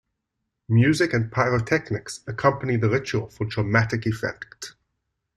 Music and pyrotechnics accompany the ritual for dramatic effect.